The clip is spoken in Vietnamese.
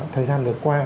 thời gian vừa qua